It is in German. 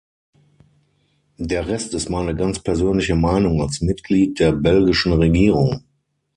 Der Rest ist meine ganz persönliche Meinung als Mitglied der belgischen Regierung.